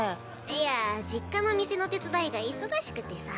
いや実家の店の手伝いが忙しくてさ。